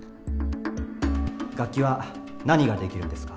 楽器は何ができるんですか？